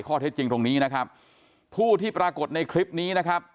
ข้อเท็จจริงตรงนี้นะครับผู้ที่ปรากฏในคลิปนี้นะครับ